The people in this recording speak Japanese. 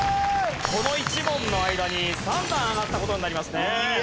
この１問の間に３段上がった事になりますね。